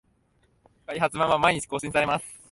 開発版は毎日更新されます